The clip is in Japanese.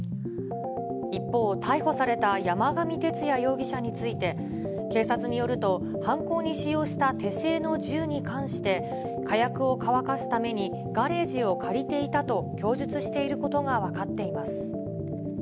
一方、逮捕された山上徹也容疑者について、警察によると、犯行に使用した手製の銃に関して、火薬を乾かすためにガレージを借りていたと供述していることが分かっています。